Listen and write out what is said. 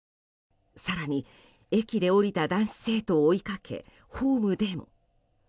更に、駅で降りた男子生徒を追いかけホームでも。